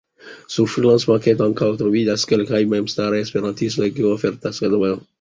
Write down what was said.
Sur Freelance-Market ankaŭ troviĝas kelkaj memstaraj Esperantistoj kiu ofertas siajn servojn kiel Esperanto-instruado.